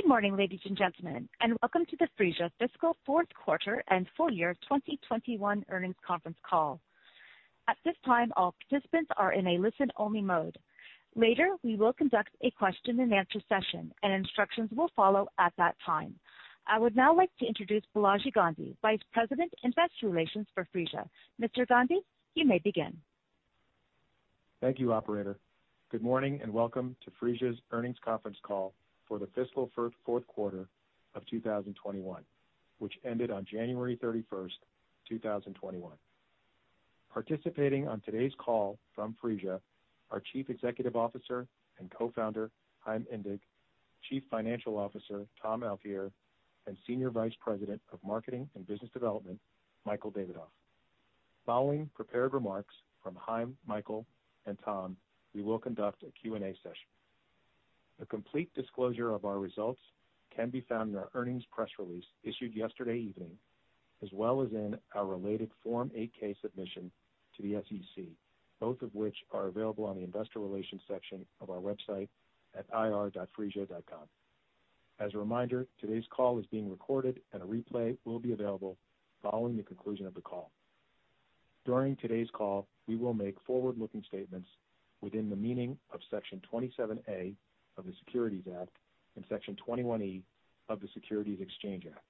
Good morning, ladies and gentlemen, and welcome to the Phreesia fiscal fourth quarter and full year 2021 earnings conference call. At this time, all participants are in a listen-only mode. Later, we will conduct a question-and-answer session, and instructions will follow at that time. I would now like to introduce Balaji Gandhi, Vice President, Investor Relations for Phreesia. Mr. Gandhi, you may begin. Thank you, operator. Good morning, and welcome to Phreesia's earnings conference call for the fiscal fourth quarter of 2021, which ended on January 31st, 2021. Participating on today's call from Phreesia, are Chief Executive Officer and Co-founder, Chaim Indig; Chief Financial Officer, Tom Altier; and Senior Vice President of Marketing and Business Development, Michael Davidoff. Following prepared remarks from Chaim, Michael, and Tom, we will conduct a Q&A session. A complete disclosure of our results can be found in our earnings press release issued yesterday evening, as well as in our related Form 8-K submission to the SEC, both of which are available on the Investor Relations section of our website at ir.phreesia.com. As a reminder, today's call is being recorded, and a replay will be available following the conclusion of the call. During today's call, we will make forward-looking statements within the meaning of Section 27A of the Securities Act and Section 21E of the Securities Exchange Act.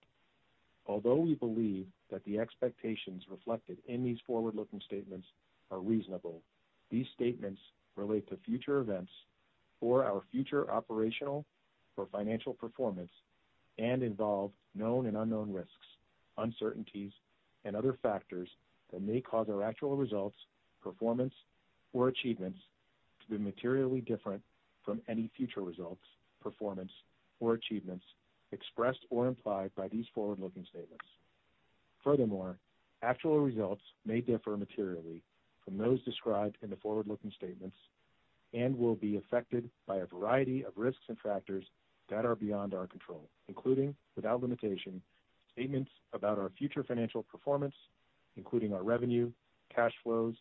Although we believe that the expectations reflected in these forward-looking statements are reasonable, these statements relate to future events or our future operational or financial performance and involve known and unknown risks, uncertainties, and other factors that may cause our actual results, performance, or achievements to be materially different from any future results, performance, or achievements expressed or implied by these forward-looking statements. Furthermore, actual results may differ materially from those described in the forward-looking statements and will be affected by a variety of risks and factors that are beyond our control, including without limitation, statements about our future financial performance, including our revenue, cash flows,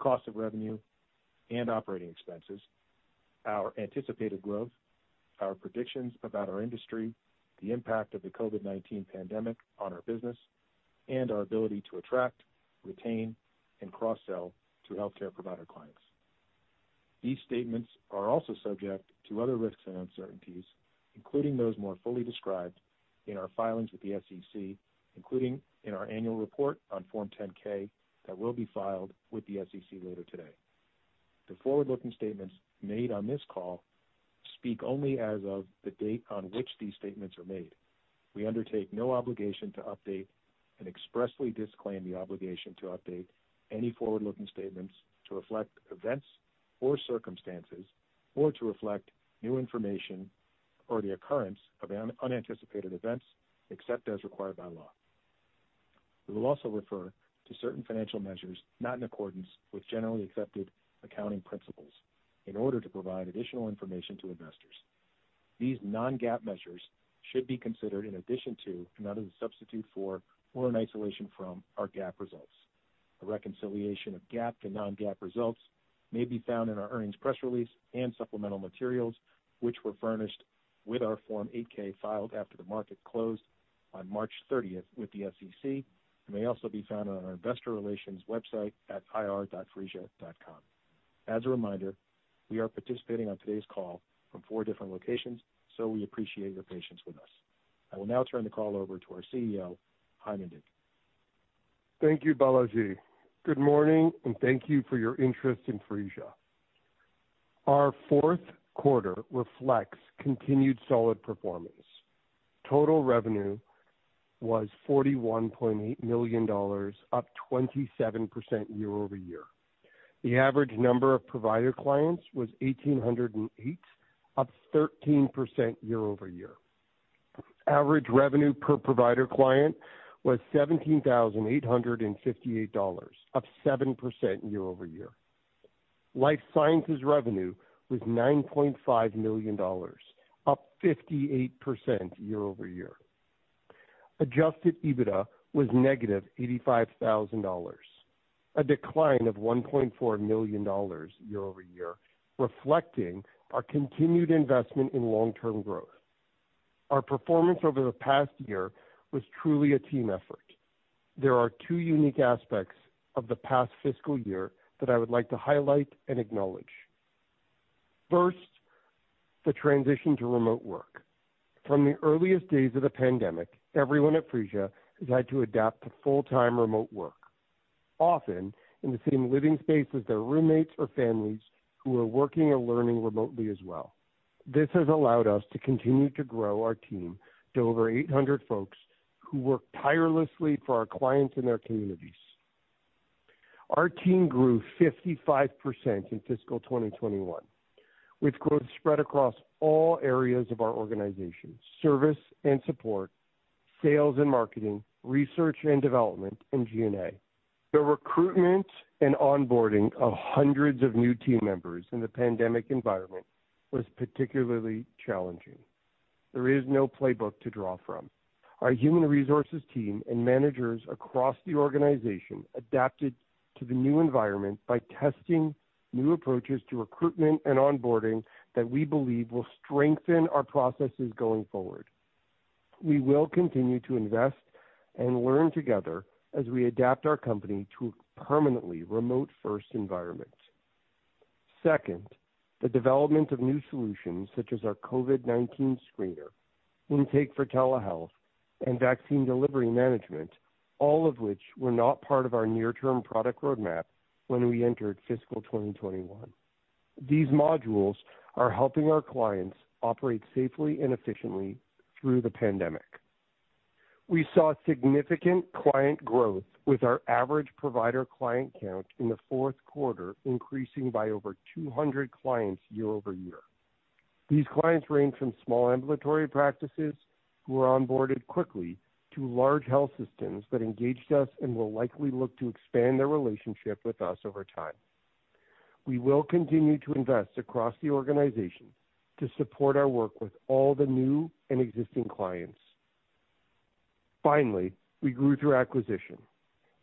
cost of revenue, and operating expenses, our anticipated growth, our predictions about our industry, the impact of the COVID-19 pandemic on our business, and our ability to attract, retain, and cross-sell to healthcare provider clients. These statements are also subject to other risks and uncertainties, including those more fully described in our filings with the SEC, including in our annual report on Form 10-K, that will be filed with the SEC later today. The forward-looking statements made on this call speak only as of the date on which these statements are made. We undertake no obligation to update and expressly disclaim the obligation to update any forward-looking statements to reflect events or circumstances, or to reflect new information or the occurrence of unanticipated events, except as required by law. We will also refer to certain financial measures not in accordance with generally accepted accounting principles in order to provide additional information to investors. These non-GAAP measures should be considered in addition to, and not as a substitute for, or in isolation from, our GAAP results. A reconciliation of GAAP to non-GAAP results may be found in our earnings press release and supplemental materials, which were furnished with our Form 8-K, filed after the market closed on March 30th with the SEC, and may also be found on our investor relations website at ir.phreesia.com. As a reminder, we are participating on today's call from four different locations, so we appreciate your patience with us. I will now turn the call over to our CEO, Chaim Indig. Thank you, Balaji. Good morning, and thank you for your interest in Phreesia. Our fourth quarter reflects continued solid performance. Total revenue was $41.8 million, up 27% year over year. The average number of provider clients was 1,808, up 13% year over year. Average revenue per provider client was $17,858, up 7% year over year. Life sciences revenue was $9.5 million, up 58% year over year. Adjusted EBITDA was -$85,000, a decline of $1.4 million year over year, reflecting our continued investment in long-term growth. Our performance over the past year was truly a team effort. There are two unique aspects of the past fiscal year that I would like to highlight and acknowledge. First, the transition to remote work. From the earliest days of the pandemic, everyone at Phreesia has had to adapt to full-time remote work, often in the same living space as their roommates or families who are working or learning remotely as well. This has allowed us to continue to grow our team to over 800 folks who work tirelessly for our clients and their communities. Our team grew 55% in fiscal 2021, with growth spread across all areas of our organization: service and support, sales and marketing, research and development, and G&A. The recruitment and onboarding of hundreds of new team members in the pandemic environment was particularly challenging. There is no playbook to draw from. Our human resources team and managers across the organization adapted to the new environment by testing new approaches to recruitment and onboarding that we believe will strengthen our processes going forward. We will continue to invest and learn together as we adapt our company to a permanently remote-first environment. Second, the development of new solutions such as our COVID-19 Screener, Intake for Telehealth, and Vaccine Delivery Management, all of which were not part of our near-term product roadmap when we entered fiscal 2021. These modules are helping our clients operate safely and efficiently through the pandemic. We saw significant client growth with our average provider client count in the fourth quarter, increasing by over 200 clients year-over-year. These clients range from small ambulatory practices who are onboarded quickly to large health systems that engaged us and will likely look to expand their relationship with us over time. We will continue to invest across the organization to support our work with all the new and existing clients. Finally, we grew through acquisition.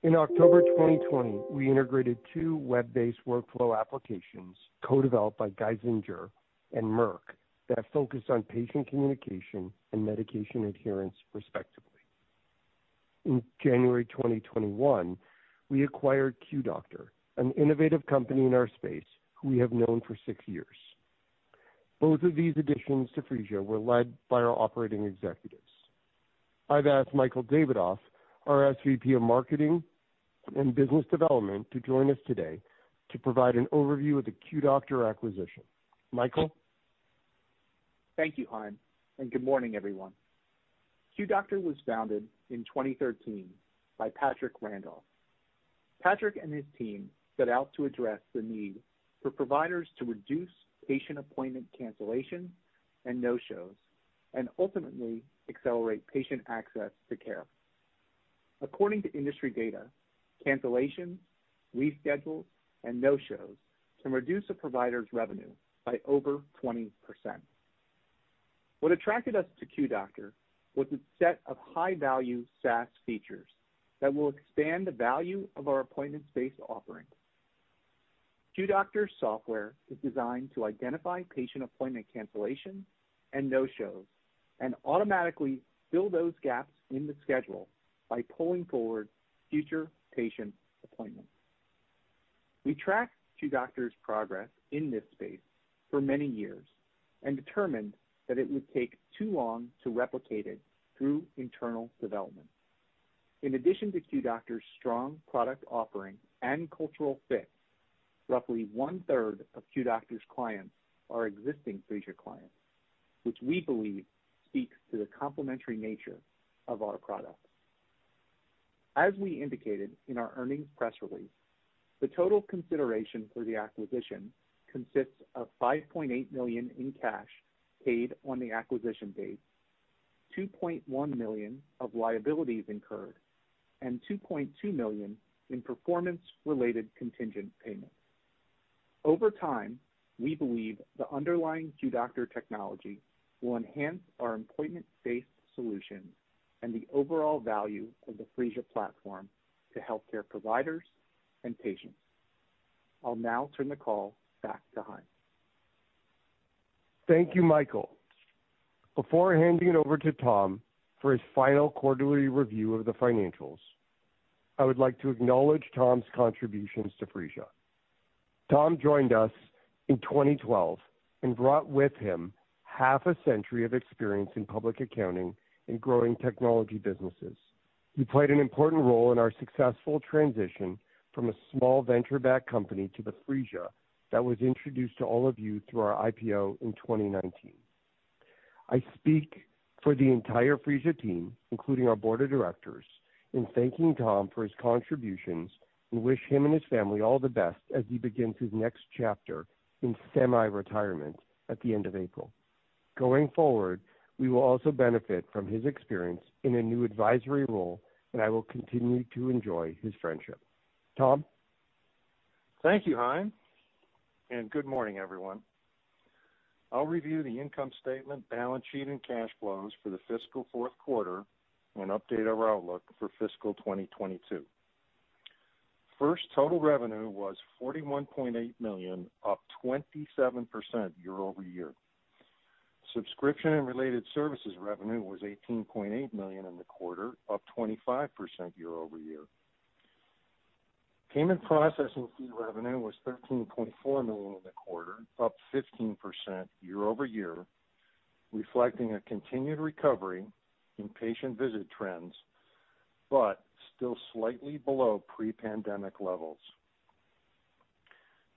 In October 2020, we integrated two web-based workflow applications co-developed by Geisinger and Merck that have focused on patient communication and medication adherence, respectively. In January 2021, we acquired QDoctor, an innovative company in our space who we have known for six years. Both of these additions to Phreesia were led by our operating executives. I've asked Michael Davidoff, our SVP of Marketing and Business Development, to join us today to provide an overview of the QDoctor acquisition. Michael? Thank you, Chaim, and good morning, everyone. QDoctor was founded in 2013 by Patrick Randolph. Patrick and his team set out to address the need for providers to reduce patient appointment cancellations and no-shows and ultimately accelerate patient access to care. According to industry data, cancellations, reschedules, and no-shows can reduce a provider's revenue by over 20%. What attracted us to QDoctor was a set of high-value SaaS features that will expand the value of our appointment-based offerings. QDoctor's software is designed to identify patient appointment cancellations and no-shows and automatically fill those gaps in the schedule by pulling forward future patient appointments. We tracked QDoctor's progress in this space for many years and determined that it would take too long to replicate it through internal development. In addition to QDoctor's strong product offering and cultural fit, roughly 1/3 of QDoctor's clients are existing Phreesia clients, which we believe speaks to the complementary nature of our products. As we indicated in our earnings press release, the total consideration for the acquisition consists of $5.8 million in cash paid on the acquisition date, $2.1 million of liabilities incurred, and $2.2 million in performance-related contingent payments. Over time, we believe the underlying QDoctor technology will enhance our appointment-based solution and the overall value of the Phreesia platform to healthcare providers and patients. I'll now turn the call back to Chaim. Thank you, Michael. Before handing it over to Tom for his final quarterly review of the financials, I would like to acknowledge Tom's contributions to Phreesia. Tom joined us in 2012 and brought with him half a century of experience in public accounting and growing technology businesses. He played an important role in our successful transition from a small venture-backed company to the Phreesia that was introduced to all of you through our IPO in 2019. I speak for the entire Phreesia team, including our board of directors, in thanking Tom for his contributions and wish him and his family all the best as he begins his next chapter in semi-retirement at the end of April. Going forward, we will also benefit from his experience in a new advisory role, and I will continue to enjoy his friendship. Tom? Thank you, Chaim, and good morning, everyone. I'll review the income statement, balance sheet, and cash flows for the fiscal fourth quarter and update our outlook for fiscal 2022. First, total revenue was $41.8 million, up 27% year-over-year. Subscription and related services revenue was $18.8 million in the quarter, up 25% year-over-year. Payment processing fee revenue was $13.4 million in the quarter, up 15% year-over-year, reflecting a continued recovery in patient visit trends, but still slightly below pre-pandemic levels.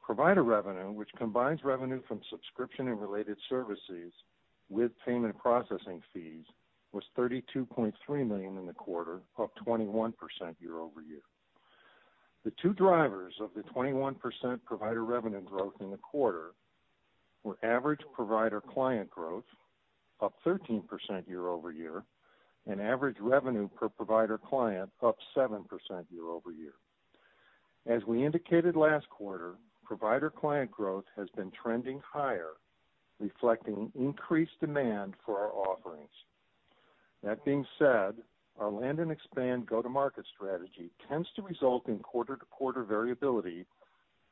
Provider revenue, which combines revenue from subscription and related services with payment processing fees, was $32.3 million in the quarter, up 21% year-over-year. The two drivers of the 21% provider revenue growth in the quarter were average provider client growth, up 13% year-over-year, and average revenue per provider client, up 7% year-over-year. As we indicated last quarter, provider client growth has been trending higher, reflecting increased demand for our offerings. That being said, our land and expand go-to-market strategy tends to result in quarter-to-quarter variability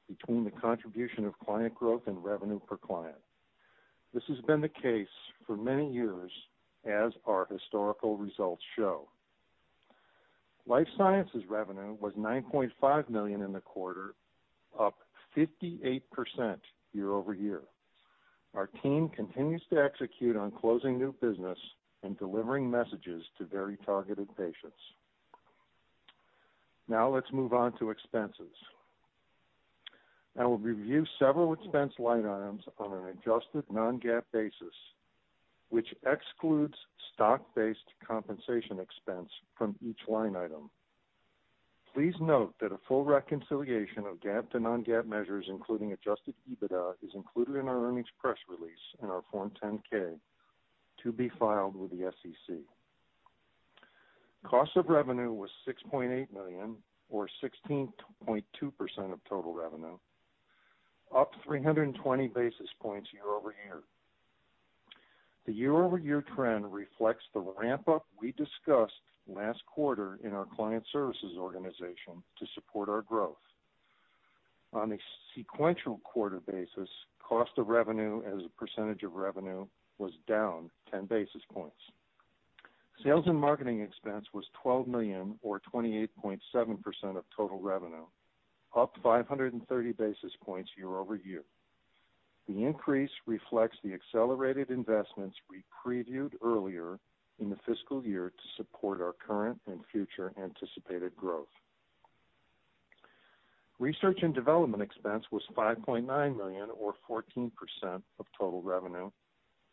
between the contribution of client growth and revenue per client. This has been the case for many years as our historical results show. Life sciences revenue was $9.5 million in the quarter, up 58% year-over-year. Our team continues to execute on closing new business and delivering messages to very targeted patients. Now let's move on to expenses. I will review several expense line items on an adjusted non-GAAP basis, which excludes stock-based compensation expense from each line item. Please note that a full reconciliation of GAAP to non-GAAP measures, including adjusted EBITDA, is included in our earnings press release and our Form 10-K to be filed with the SEC. Cost of revenue was $6.8 million, or 16.2% of total revenue, up 320 basis points year-over-year. The year-over-year trend reflects the ramp-up we discussed last quarter in our client services organization to support our growth. On a sequential quarter basis, cost of revenue as a percentage of revenue was down 10 basis points. Sales and marketing expense was $12 million, or 28.7% of total revenue, up 530 basis points year-over-year. The increase reflects the accelerated investments we previewed earlier in the fiscal year to support our current and future anticipated growth. Research and development expense was $5.9 million, or 14% of total revenue,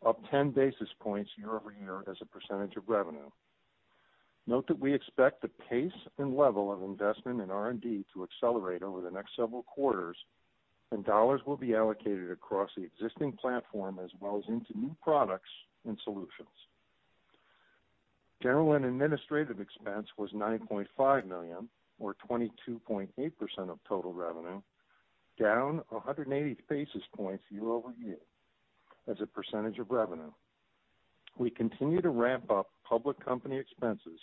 up 10 basis points year over year as a percentage of revenue. Note that we expect the pace and level of investment in R&D to accelerate over the next several quarters, and dollars will be allocated across the existing platform as well as into new products and solutions. General and administrative expense was $9.5 million, or 22.8% of total revenue, down 180 basis points year over year as a percentage of revenue. We continue to ramp up public company expenses,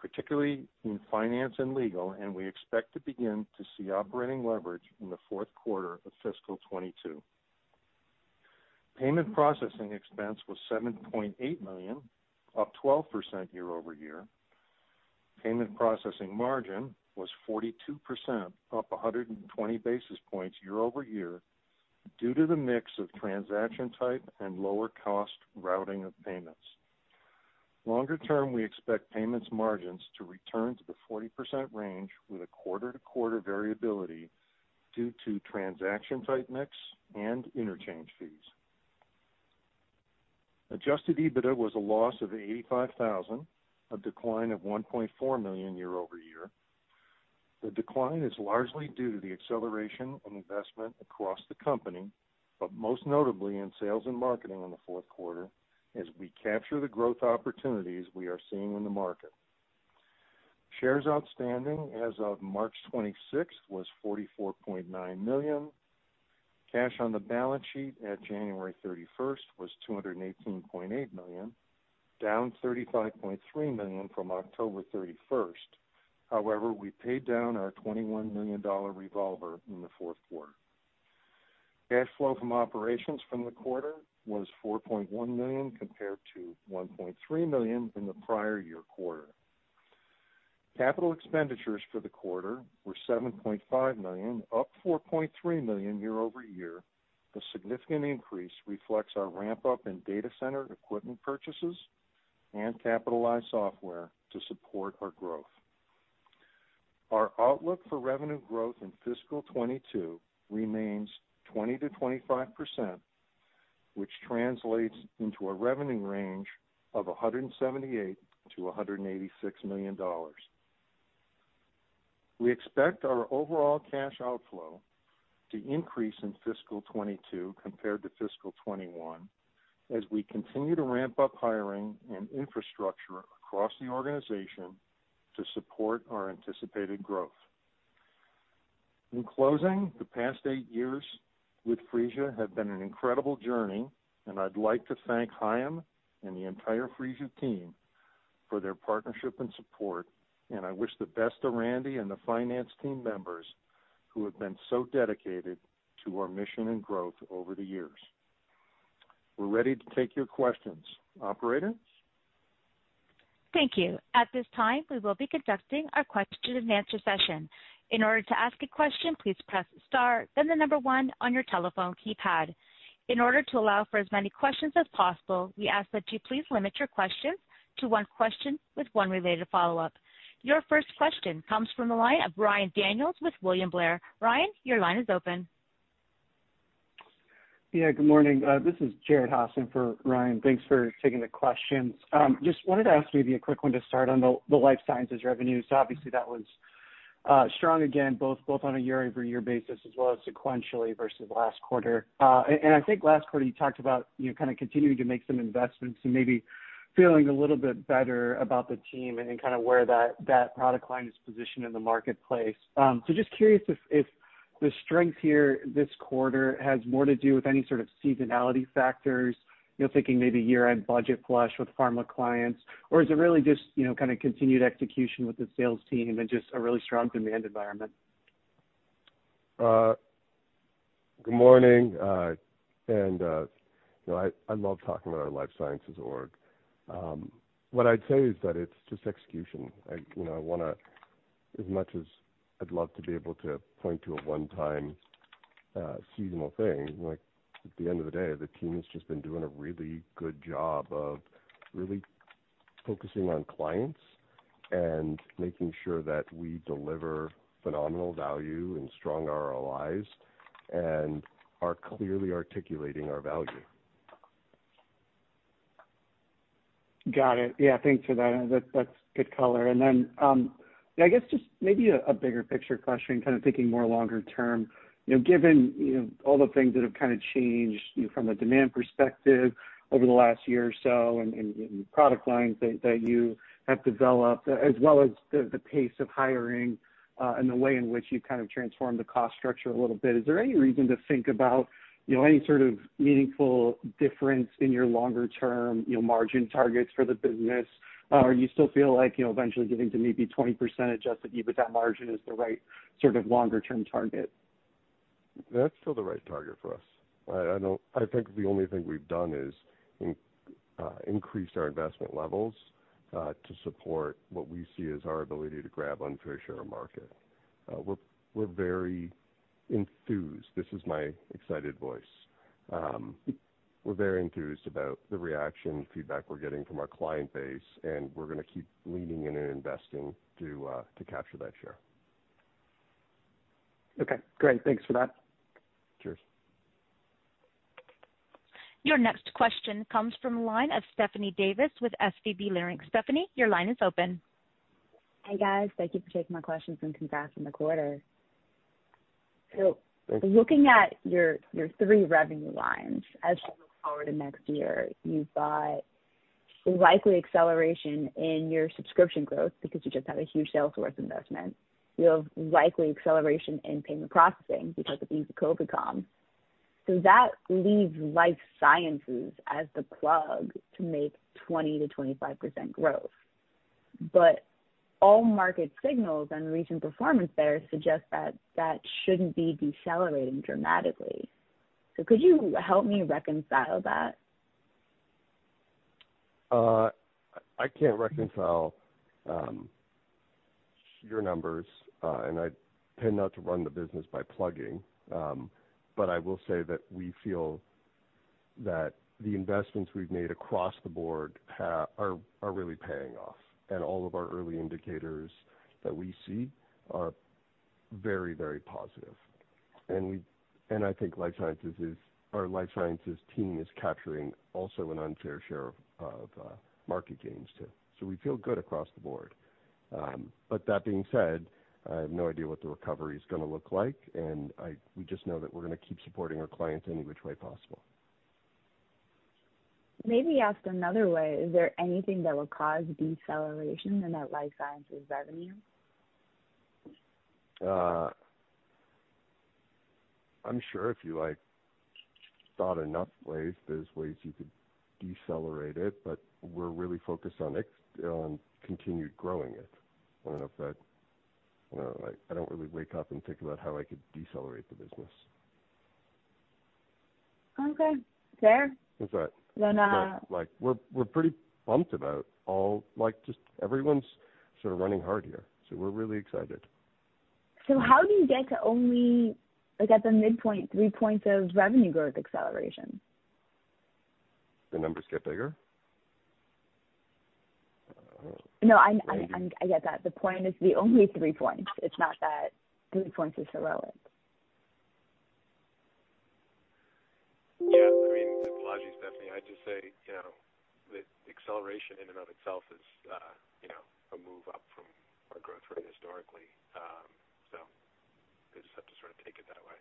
particularly in finance and legal, and we expect to begin to see operating leverage in the fourth quarter of fiscal 2022. Payment processing expense was $7.8 million, up 12% year-over-year. Payment processing margin was 42%, up 120 basis points year-over-year, due to the mix of transaction type and lower cost routing of payments. Longer term, we expect payments margins to return to the 40% range with a quarter-to-quarter variability due to transaction type mix and interchange fees. Adjusted EBITDA was a loss of $85,000, a decline of $1.4 million year-over-year. The decline is largely due to the acceleration in investment across the company, but most notably in sales and marketing in the fourth quarter, as we capture the growth opportunities we are seeing in the market. Shares outstanding as of March 26 was 44.9 million. Cash on the balance sheet at January 31st was $218.8 million, down $35.3 million from October 31st. However, we paid down our $21 million revolver in the fourth quarter. Cash flow from operations from the quarter was $4.1 million, compared to $1.3 million in the prior year quarter. Capital expenditures for the quarter were $7.5 million, up $4.3 million year-over-year. The significant increase reflects our ramp-up in data center equipment purchases and capitalized software to support our growth. Our outlook for revenue growth in fiscal 2022 remains 20%-25%, which translates into a revenue range of $178 million-$186 million. We expect our overall cash outflow to increase in fiscal 2022 compared to fiscal 2021, as we continue to ramp up hiring and infrastructure across the organization to support our anticipated growth. In closing, the past eight years with Phreesia have been an incredible journey, and I'd like to thank Chaim and the entire Phreesia team for their partnership and support, and I wish the best to Randy and the finance team members who have been so dedicated to our mission and growth over the years. We're ready to take your questions. Operator? Thank you. At this time, we will be conducting our question-and-answer session. In order to ask a question, please press star, then the number one on your telephone keypad. In order to allow for as many questions as possible, we ask that you please limit your questions to one question with one related follow-up. Your first question comes from the line of Ryan Daniels with William Blair. Ryan, your line is open. Yeah, good morning. This is Jared Haase for Ryan. Thanks for taking the questions. Just wanted to ask maybe a quick one to start on the life sciences revenues. Obviously, that was strong again, both on a year-over-year basis, as well as sequentially versus last quarter. And I think last quarter, you talked about, you know, kind of continuing to make some investments and maybe feeling a little bit better about the team and kind of where that product line is positioned in the marketplace. So just curious if the strength here this quarter has more to do with any sort of seasonality factors, you know, thinking maybe year-end budget flush with pharma clients, or is it really just, you know, kind of continued execution with the sales team and just a really strong demand environment? Good morning. You know, I love talking about our life sciences org. What I'd say is that it's just execution. You know, I wanna, as much as I'd love to be able to point to a one-time, seasonal thing, like, at the end of the day, the team has just been doing a really good job of really focusing on clients and making sure that we deliver phenomenal value and strong ROIs, and are clearly articulating our value. Got it. Yeah, thanks for that. That, that's good color. And then, yeah, I guess just maybe a bigger picture question, kind of thinking more longer term. You know, given, you know, all the things that have kind of changed from a demand perspective over the last year or so and, and product lines that you have developed, as well as the pace of hiring, and the way in which you've kind of transformed the cost structure a little bit, is there any reason to think about, you know, any sort of meaningful difference in your longer term, you know, margin targets for the business? Or you still feel like, you know, eventually getting to maybe 20% Adjusted EBITDA margin is the right sort of longer term target? That's still the right target for us. I know—I think the only thing we've done is increase our investment levels to support what we see as our ability to grab unfair share of market. We're very enthused. This is my excited voice. We're very enthused about the reaction and feedback we're getting from our client base, and we're gonna keep leaning in and investing to capture that share. Okay, great. Thanks for that. Cheers. Your next question comes from the line of Stephanie Davis with SVB Securities. Stephanie, your line is open. Hi, guys. Thank you for taking my questions and congrats on the quarter. So looking at your, your three revenue lines as you look forward to next year, you've got a likely acceleration in your subscription growth because you just had a huge Salesforce investment. You have likely acceleration in payment processing because of easy COVID comps. So that leaves life sciences as the plug to make 20%-25% growth. But all market signals and recent performance there suggest that that shouldn't be decelerating dramatically. So could you help me reconcile that? I can't reconcile your numbers, and I tend not to run the business by plugging. But I will say that we feel that the investments we've made across the board are, are really paying off, and all of our early indicators that we see are very, very positive. And I think life sciences is, our life sciences team is capturing also an unfair share of market gains, too. So we feel good across the board. But that being said, I have no idea what the recovery is gonna look like, and we just know that we're gonna keep supporting our clients any which way possible. Maybe asked another way, is there anything that will cause deceleration in that life sciences revenue? I'm sure if you, like, thought enough ways, there's ways you could decelerate it, but we're really focused on continued growing it. I don't know if that... You know, like, I don't really wake up and think about how I could decelerate the business. Okay, fair. That's right. Then, uh- Like, we're pretty pumped about all—like, just everyone's sort of running hard here, so we're really excited. How do you get to only, like, at the midpoint, three points of revenue growth acceleration? The numbers get bigger? No, I'm. I get that. The point is the only three points. It's not that three points is so low. Yeah, I mean, Balaji, Stephanie, I'd just say, you know, that acceleration in and of itself is, you know, a move up from our growth rate historically. So you just have to sort of take it that way.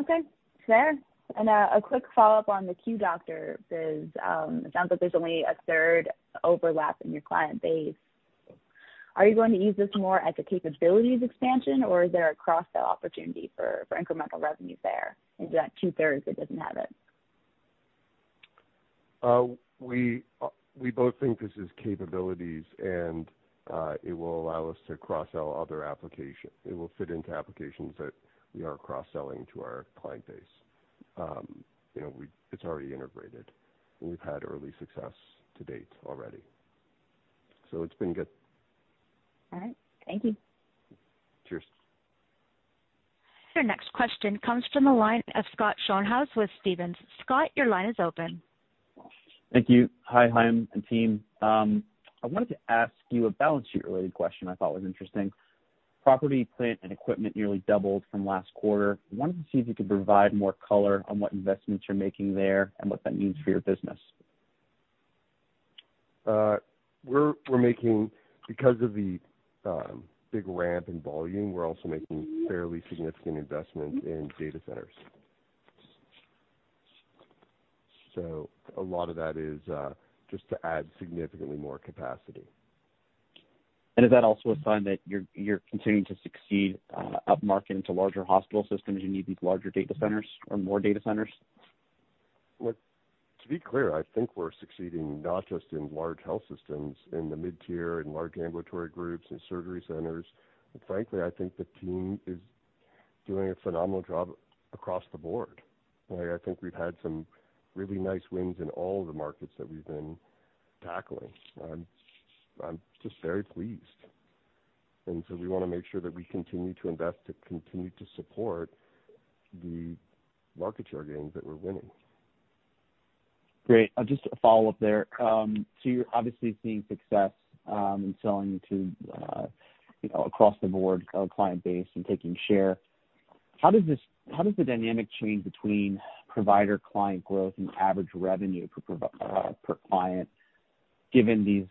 Okay, fair. And, a quick follow-up on the QDoctor is, it sounds like there's only a third overlap in your client base. Are you going to use this more as a capabilities expansion, or is there a cross-sell opportunity for, for incremental revenue there? Is that 2/3 that doesn't have it? We both think this is capabilities, and it will allow us to cross-sell other applications. It will fit into applications that we are cross-selling to our client base. You know, it's already integrated, and we've had early success to date already. So it's been good. All right. Thank you. Cheers. Your next question comes from the line of Scott Schoenhaus with Stephens. Scott, your line is open. Thank you. Hi, Chaim and team. I wanted to ask you a balance sheet-related question I thought was interesting. Property, plant, and equipment nearly doubled from last quarter. I wanted to see if you could provide more color on what investments you're making there and what that means for your business. We're making, because of the big ramp in volume, we're also making fairly significant investments in data centers. So a lot of that is just to add significantly more capacity. Is that also a sign that you're continuing to succeed upmarket into larger hospital systems, you need these larger data centers or more data centers? Look, to be clear, I think we're succeeding not just in large health systems, in the mid-tier and large ambulatory groups and surgery centers, but frankly, I think the team is doing a phenomenal job across the board. I, I think we've had some really nice wins in all the markets that we've been tackling. I'm, I'm just very pleased. And so we wanna make sure that we continue to invest, to continue to support the market share gains that we're winning. Great. Just a follow-up there. So you're obviously seeing success in selling to, you know, across the board of client base and taking share. How does this - how does the dynamic change between provider-client growth and average revenue per pro- per client, given these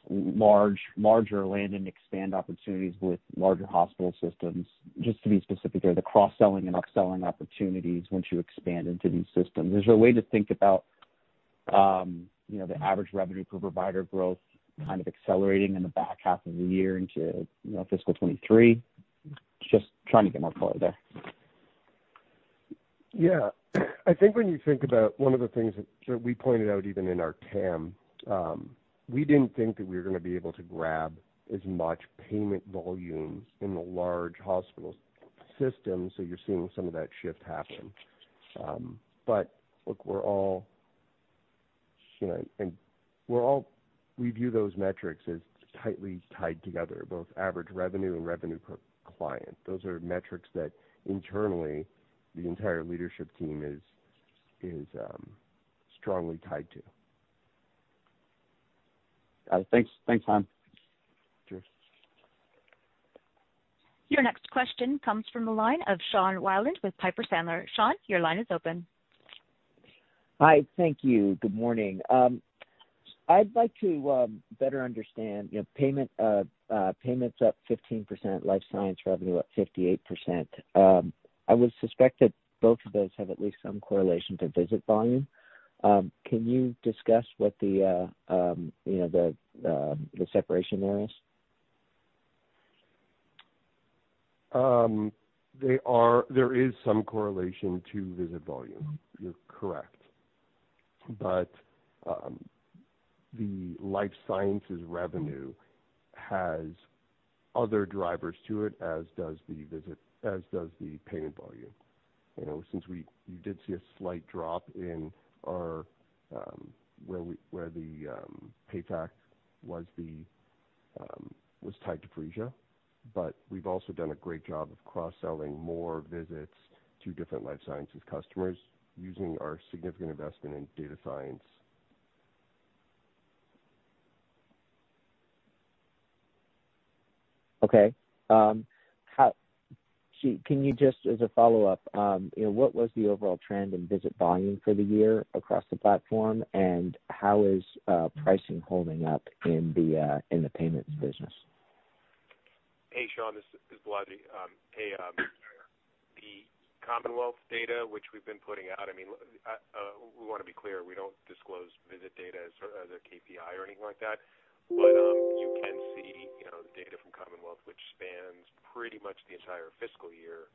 larger land and expand opportunities with larger hospital systems? Just to be specific there, the cross-selling and upselling opportunities once you expand into these systems. Is there a way to think about, you know, the average revenue per provider growth kind of accelerating in the back half of the year into, you know, fiscal 2023? Just trying to get more color there. Yeah. I think when you think about one of the things that, that we pointed out, even in our TAM, we didn't think that we were gonna be able to grab as much payment volume in the large hospital system, so you're seeing some of that shift happen. But look, we're all, you know, and we're all- we view those metrics as tightly tied together, both average revenue and revenue per client. Those are metrics that internally, the entire leadership team is strongly tied to. Thanks. Thanks, Chaim. Sure. Your next question comes from the line of Sean Wieland with Piper Sandler. Sean, your line is open. Hi, thank you. Good morning. I'd like to better understand, you know, payments up 15%, life sciences revenue up 58%. I would suspect that both of those have at least some correlation to visit volume. Can you discuss what the, you know, the separation there is? There is some correlation to visit volume. You're correct. But the life sciences revenue has other drivers to it, as does the payment volume. You know, since we did see a slight drop in our payer mix was tied to Phreesia. But we've also done a great job of cross-selling more visits to different life sciences customers using our significant investment in data science. Okay. So, can you just as a follow-up, you know, what was the overall trend in visit volume for the year across the platform? And how is pricing holding up in the payments business? Hey, Sean, this is Balaji. Hey, the Commonwealth data, which we've been putting out, I mean, we wanna be clear, we don't disclose visit data as a KPI or anything like that. But you can see, you know, the data from Commonwealth, which spans pretty much the entire fiscal year,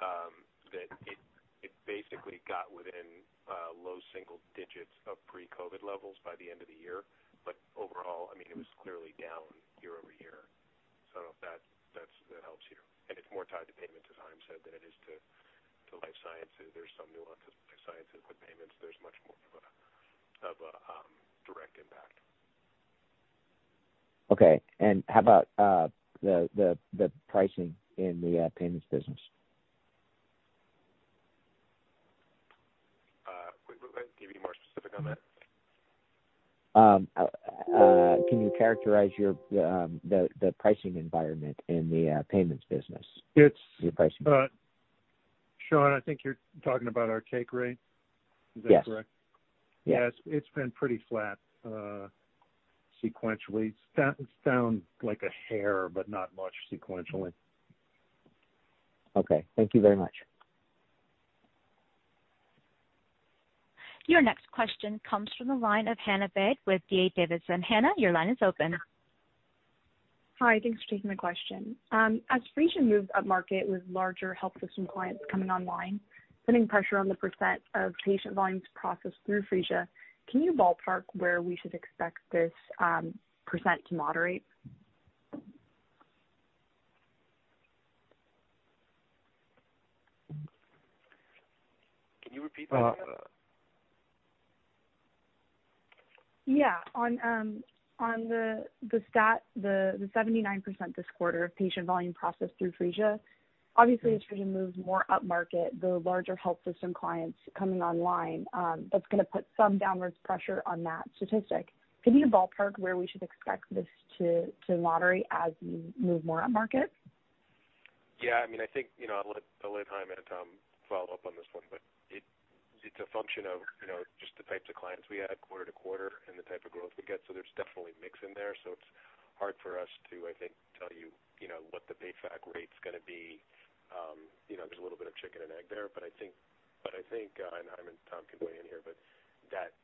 that it basically got within low single digits of pre-COVID levels by the end of the year. But overall, I mean, it was clearly down year-over-year. So that helps you. And it's more tied to payments, as Chaim said, than it is to life sciences. There's some nuance to life sciences, but payments, there's much more of a direct impact. Okay. And how about the pricing in the payments business? Can you be more specific on that? Can you characterize the pricing environment in the payments business? It's- Your pricing. Sean, I think you're talking about our take rate. Yes. Is that correct? Yes. Yes, it's been pretty flat, sequentially. It's down, it's down like a hair, but not much sequentially. Okay. Thank you very much. Your next question comes from the line of Hannah Baade with D.A. Davidson. Hannah, your line is open. Hi, thanks for taking my question. As Phreesia moves upmarket with larger health system clients coming online, putting pressure on the percent of patient volumes processed through Phreesia, can you ballpark where we should expect this percent to moderate? Can you repeat that, Hannah? Yeah. On the 79% this quarter of patient volume processed through Phreesia, obviously as Phreesia moves more upmarket, the larger health system clients coming online, that's gonna put some downward pressure on that statistic. Can you ballpark where we should expect this to moderate as you move more upmarket? Yeah, I mean, I think, you know, I'll let Chaim and Tom follow up on this one, but it's a function of, you know, just the types of clients we add quarter to quarter.... Because so there's definitely mix in there, so it's hard for us to, I think, tell you, you know, what the PayFac rate's gonna be. You know, there's a little bit of chicken and egg there, but I think, but I think, and Tom can weigh in here, but that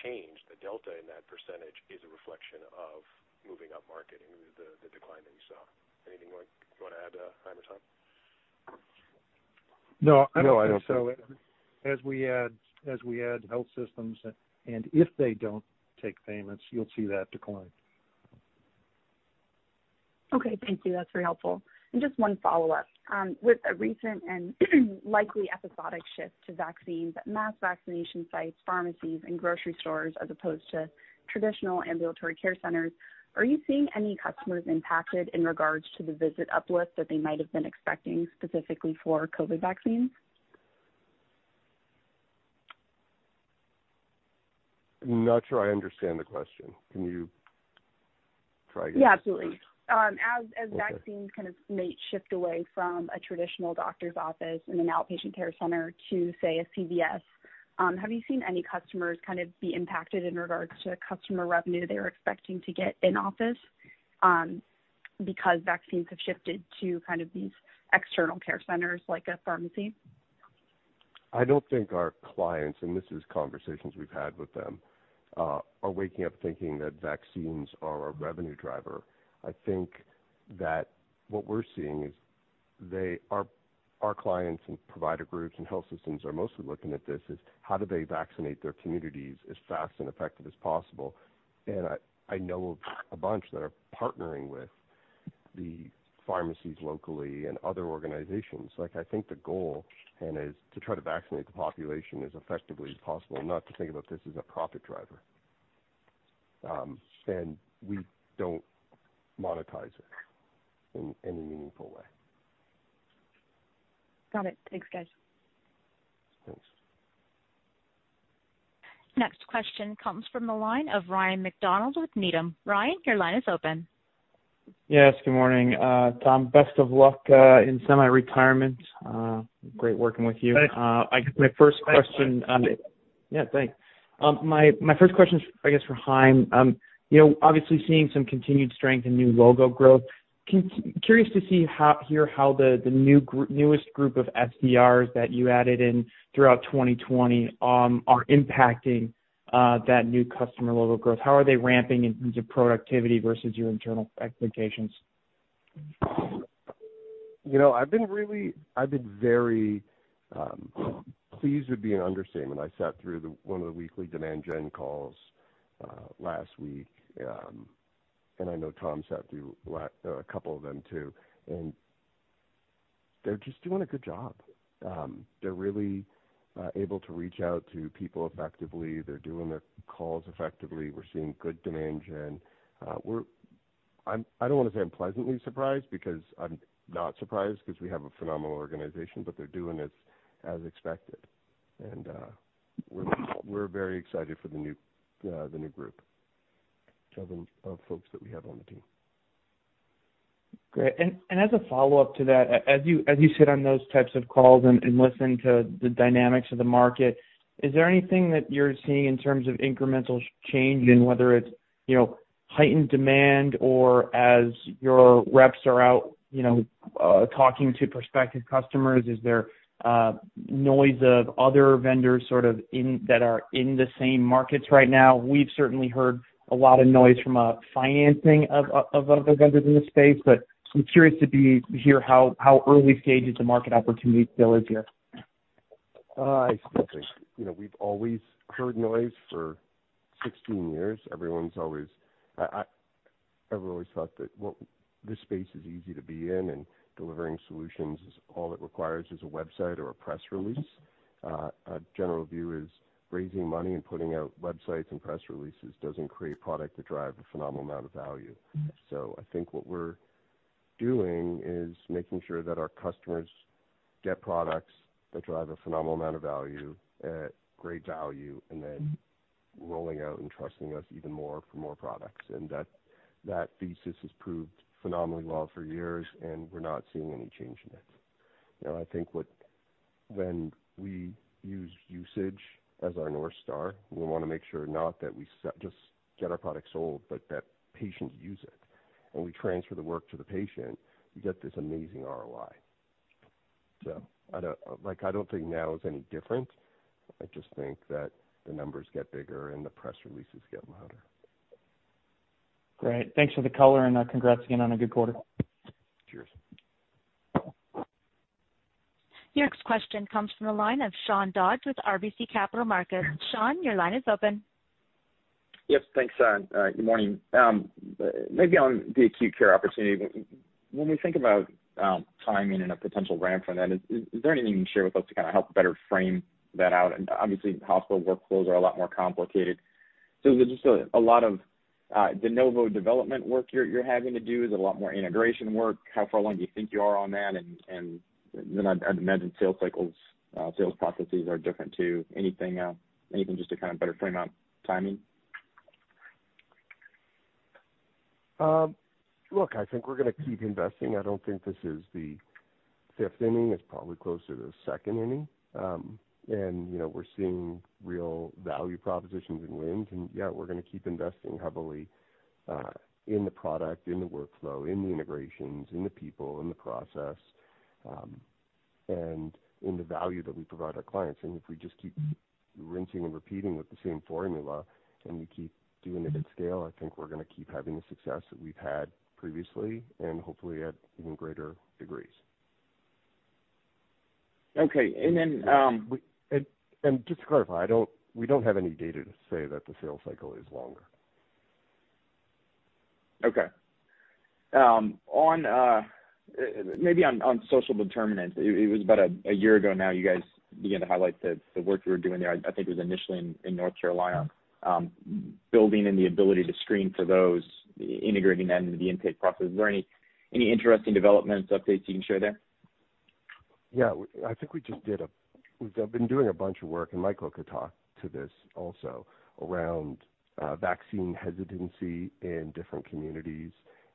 change, the delta in that percentage is a reflection of moving up market and the decline that you saw. Anything you want, you wanna add, Chaim or Tom? No, I don't think so. As we add health systems, and if they don't take payments, you'll see that decline. Okay, thank you. That's very helpful. Just one follow-up. With a recent and likely episodic shift to vaccines at mass vaccination sites, pharmacies, and grocery stores, as opposed to traditional ambulatory care centers, are you seeing any customers impacted in regards to the visit uplift that they might have been expecting specifically for COVID vaccines? I'm not sure I understand the question. Can you try again? Yeah, absolutely. Okay. Vaccines kind of may shift away from a traditional doctor's office in an outpatient care center to, say, a CVS. Have you seen any customers kind of be impacted in regards to customer revenue they were expecting to get in office, because vaccines have shifted to kind of these external care centers, like a pharmacy? I don't think our clients, and this is conversations we've had with them, are waking up thinking that vaccines are a revenue driver. I think that what we're seeing is they our, our clients and provider groups and health systems are mostly looking at this as, how do they vaccinate their communities as fast and effective as possible? And I, I know of a bunch that are partnering with the pharmacies locally and other organizations. Like, I think the goal, Hannah, is to try to vaccinate the population as effectively as possible, not to think about this as a profit driver. And we don't monetize it in, in a meaningful way. Got it. Thanks, guys. Thanks. Next question comes from the line of Ryan MacDonald with Needham. Ryan, your line is open. Yes, good morning. Tom, best of luck in semi-retirement. Great working with you. Thanks. I guess my first question... Yeah, thanks. My first question is, I guess, for Chaim. You know, obviously seeing some continued strength in new logo growth, curious to see how, hear how the newest group of SDRs that you added in throughout 2020 are impacting that new customer logo growth. How are they ramping in terms of productivity versus your internal expectations? You know, I've been really—I've been very pleased would be an understatement. I sat through one of the weekly demand gen calls last week, and I know Tom sat through a couple of them, too, and they're just doing a good job. They're really able to reach out to people effectively. They're doing their calls effectively. We're seeing good demand gen. We're—I'm—I don't wanna say I'm pleasantly surprised, because I'm not surprised, 'cause we have a phenomenal organization, but they're doing as expected. And we're very excited for the new group of folks that we have on the team. Great. And as a follow-up to that, as you sit on those types of calls and listen to the dynamics of the market, is there anything that you're seeing in terms of incremental change in whether it's, you know, heightened demand or as your reps are out, you know, talking to prospective customers, is there noise of other vendors sort of in that are in the same markets right now? We've certainly heard a lot of noise from a financing of other vendors in this space, but I'm curious to hear how early stage the market opportunity still is here? I think, you know, we've always heard noise for 16 years. Everyone's always... I've always thought that, well, this space is easy to be in, and delivering solutions is all it requires is a website or a press release. Our general view is raising money and putting out websites and press releases doesn't create product that drive a phenomenal amount of value. Mm-hmm. So I think what we're doing is making sure that our customers get products that drive a phenomenal amount of value at great value, and then- Mm-hmm. rolling out and trusting us even more for more products. And that, that thesis has proved phenomenally well for years, and we're not seeing any change in it. You know, I think what, when we use usage as our North Star, we wanna make sure not that we just get our product sold, but that patients use it, and we transfer the work to the patient, you get this amazing ROI. So I don't, like, I don't think now is any different. I just think that the numbers get bigger and the press releases get louder. Great. Thanks for the color and, congrats again on a good quarter. Cheers. Your next question comes from the line of Sean Dodge with RBC Capital Markets. Sean, your line is open. Yep, thanks, good morning. Maybe on the acute care opportunity, when we think about, timing and a potential ramp from that, is there anything you can share with us to kind of help better frame that out? And obviously, hospital workflows are a lot more complicated. So is it just a, a lot of, de novo development work you're having to do? Is it a lot more integration work? How far along do you think you are on that? And then I'd imagine sales cycles, sales processes are different, too. Anything, anything just to kind of better frame out timing?... Look, I think we're gonna keep investing. I don't think this is the fifth inning, it's probably closer to the second inning. And, you know, we're seeing real value propositions and wins, and yeah, we're gonna keep investing heavily, in the product, in the workflow, in the integrations, in the people, in the process, and in the value that we provide our clients. If we just keep rinsing and repeating with the same formula, and we keep doing it at scale, I think we're gonna keep having the success that we've had previously and hopefully at even greater degrees. Okay, and then, Just to clarify, we don't have any data to say that the sales cycle is longer. Okay. Maybe on social determinants, it was about a year ago now, you guys began to highlight the work you were doing there. I think it was initially in North Carolina, building in the ability to screen for those, integrating that into the intake process. Is there any interesting developments, updates you can share there? Yeah, I think we've been doing a bunch of work, and Michael could talk to this also, around vaccine hesitancy in different communities,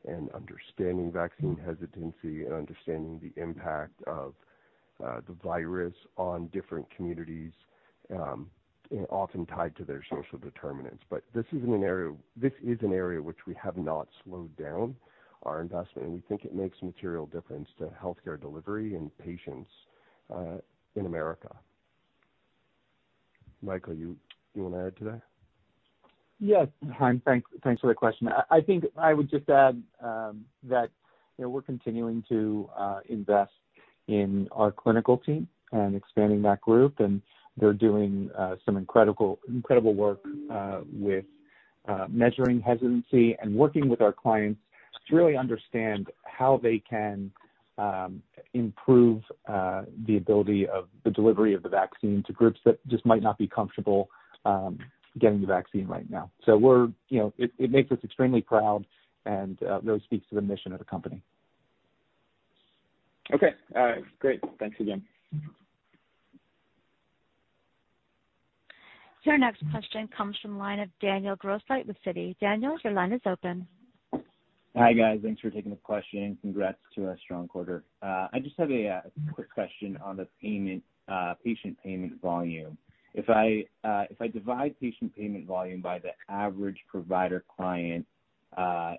and understanding vaccine hesitancy, and understanding the impact of the virus on different communities, often tied to their social determinants. But this is an area, this is an area which we have not slowed down our investment, and we think it makes a material difference to healthcare delivery and patients in America. Michael, you want to add to that? Yes, Chaim, thanks, thanks for the question. I think I would just add that, you know, we're continuing to invest in our clinical team and expanding that group, and they're doing some incredible work with measuring hesitancy and working with our clients to really understand how they can improve the ability of the delivery of the vaccine to groups that just might not be comfortable getting the vaccine right now. So we're, you know, it makes us extremely proud and really speaks to the mission of the company. Okay, great. Thanks again. Your next question comes from the line of Daniel Grosslight with Citi. Daniel, your line is open. Hi, guys. Thanks for taking the question, and congrats to a strong quarter. I just have a quick question on the payment, patient payment volume. If I divide patient payment volume by the average provider client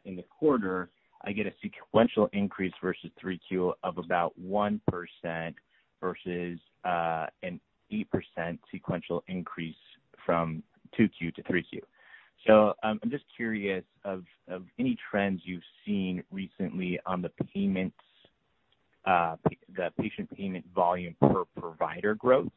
in the quarter, I get a sequential increase versus Q3 of about 1% versus an 8% sequential increase from Q2 to Q3. So, I'm just curious of any trends you've seen recently on the payments, the patient payment volume per provider growth.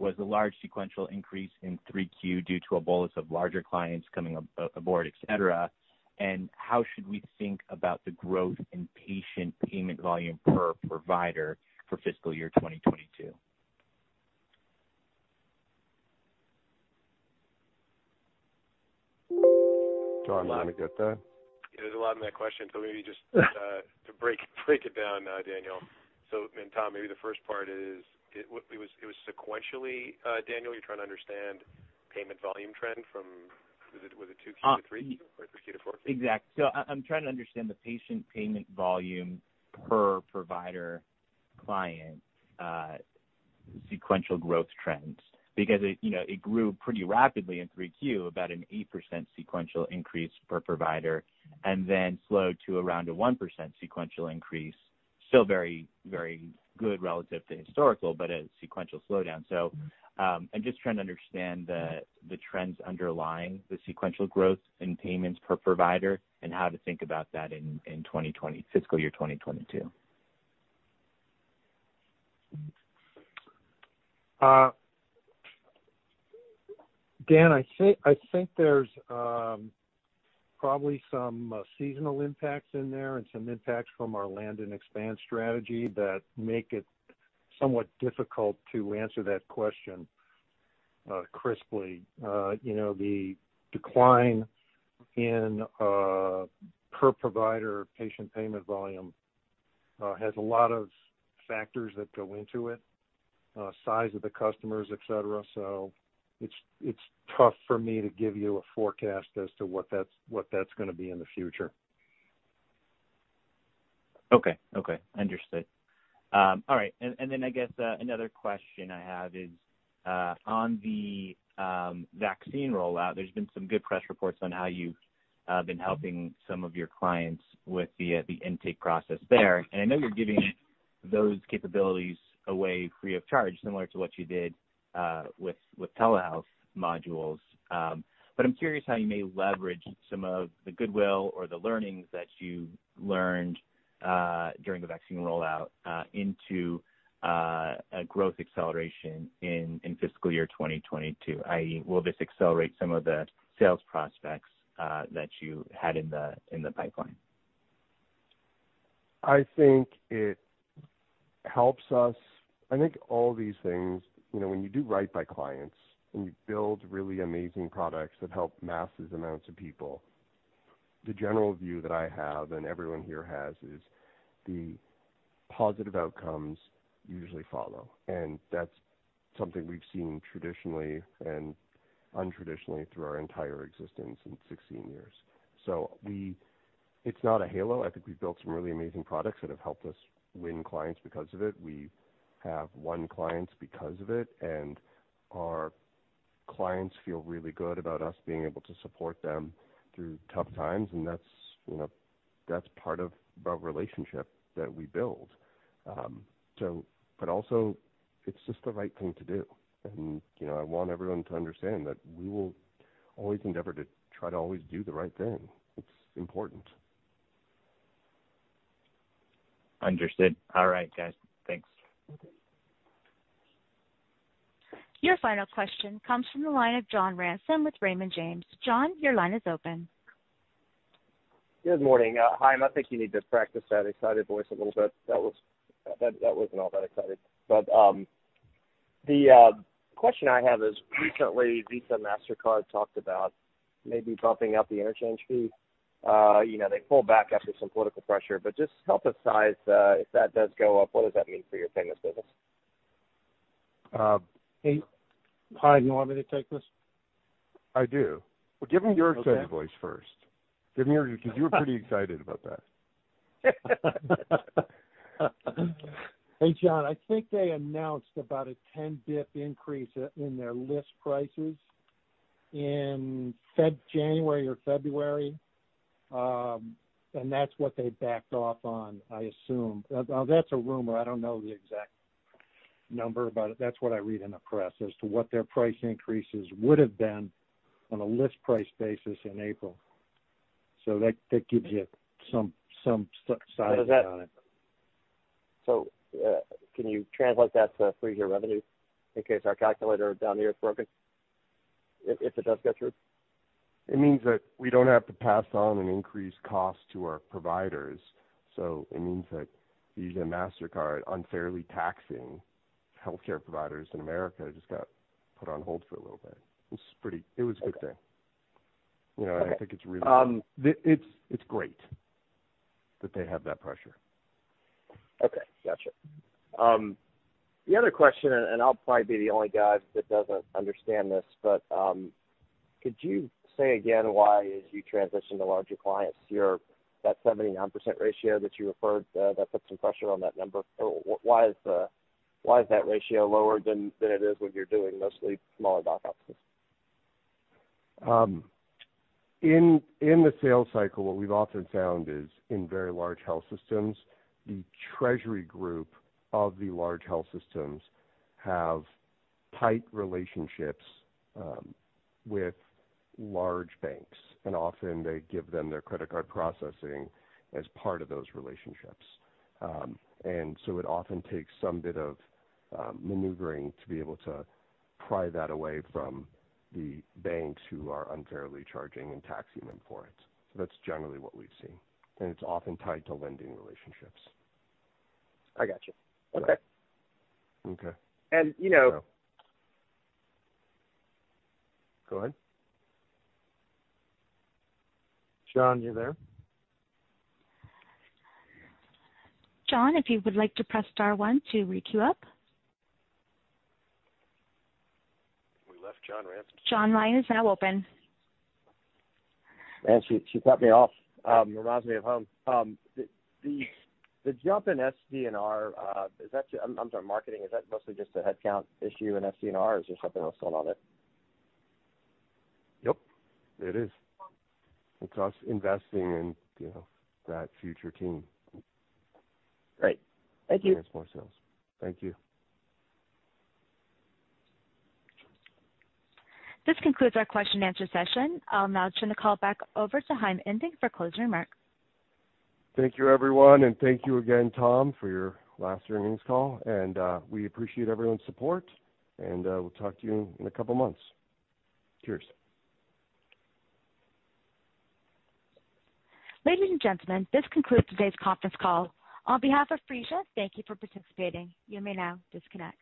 Was the large sequential increase in Q3 due to a bolus of larger clients coming onboard, et cetera? And how should we think about the growth in patient payment volume per provider for fiscal year 2022? Tom, do you want to get that? There's a lot in that question, so maybe just to break it down, Daniel. So, and Tom, maybe the first part is, it was sequentially, Daniel, you're trying to understand payment volume trend from... Was it Q2 to Q3, or Q4 toQ4? Exactly. So I, I'm trying to understand the patient payment volume per provider client, sequential growth trends, because it, you know, it grew pretty rapidly in 3Q, about an 8% sequential increase per provider, and then slowed to around a 1% sequential increase. Still very, very good relative to historical, but a sequential slowdown. So, I'm just trying to understand the, the trends underlying the sequential growth in payments per provider and how to think about that in, in 2020- fiscal year 2022. Dan, I think, I think there's probably some seasonal impacts in there and some impacts from our land and expand strategy that make it somewhat difficult to answer that question crisply. You know, the decline in per provider patient payment volume has a lot of factors that go into it, size of the customers, et cetera. So it's tough for me to give you a forecast as to what that's gonna be in the future. Okay. Okay, understood. All right, and, and then I guess, another question I have is, on the, vaccine rollout, there's been some good press reports on how you've been helping some of your clients with the, the intake process there. And I know you're giving those capabilities away free of charge, similar to what you did, with, with telehealth modules. But I'm curious how you may leverage some of the goodwill or the learnings that you learned, during the vaccine rollout, into, a growth acceleration in, fiscal year 2022, i.e., will this accelerate some of the sales prospects, that you had in the, pipeline? I think it helps us. I think all these things, you know, when you do right by clients, and you build really amazing products that help massive amounts of people, the general view that I have and everyone here has, is positive outcomes usually follow, and that's something we've seen traditionally and untraditionally through our entire existence in 16 years. So it's not a halo. I think we've built some really amazing products that have helped us win clients because of it. We have won clients because of it, and our clients feel really good about us being able to support them through tough times, and that's, you know, that's part of the relationship that we build. So, but also it's just the right thing to do. You know, I want everyone to understand that we will always endeavor to try to always do the right thing. It's important. Understood. All right, guys. Thanks. Your final question comes from the line of John Ransom with Raymond James. John, your line is open. Good morning. Chaim, I think you need to practice that excited voice a little bit. That wasn't all that excited. But the question I have is recently, Visa, MasterCard talked about maybe bumping up the interchange fee. You know, they pulled back after some political pressure, but just help us size if that does go up, what does that mean for your payments business? Um- Hey, Chaim, you want me to take this? I do. Well, give him your excited voice first. Okay. Give him your... Because you were pretty excited about that. Hey, John, I think they announced about a 10 bps increase in their list prices in January or February. And that's what they backed off on, I assume. That's a rumor. I don't know the exact number, but that's what I read in the press as to what their price increases would have been on a list price basis in April. So that gives you some size on it. So, can you translate that to Phreesia revenue in case our calculator down here is broken, if it does get through? It means that we don't have to pass on an increased cost to our providers. So it means that Visa, MasterCard, unfairly taxing healthcare providers in America, just got put on hold for a little bit. It's pretty. It was a good thing. Okay. You know, and I think it's really- Um. It's great that they have that pressure. Okay, gotcha. The other question, and I'll probably be the only guy that doesn't understand this, but could you say again why, as you transition to larger clients, your—that 79% ratio that you referred to, that puts some pressure on that number? Or why is that ratio lower than it is when you're doing mostly smaller doc offices? In the sales cycle, what we've often found is in very large health systems, the treasury group of the large health systems have tight relationships with large banks, and often they give them their credit card processing as part of those relationships. And so it often takes some bit of maneuvering to be able to pry that away from the banks who are unfairly charging and taxing them for it. So that's generally what we've seen, and it's often tied to lending relationships. I got you. Okay. Okay. You know— Go ahead. John, you there? John, if you would like to press star one to queue up. We left John Ransom. John, line is now open. Man, she, she cut me off. Reminds me of home. The jump in SDRs, is that... I'm sorry, marketing, is that mostly just a headcount issue in SDRs, or is there something else going on there? Yep, it is. It costs investing in, you know, that future team. Great. Thank you. That's more sales. Thank you. This concludes our question and answer session. I'll now turn the call back over to Chaim Indig for closing remarks. Thank you, everyone, and thank you again, Tom, for your last earnings call, and we appreciate everyone's support, and we'll talk to you in a couple of months. Cheers. Ladies and gentlemen, this concludes today's conference call. On behalf of Phreesia, thank you for participating. You may now disconnect.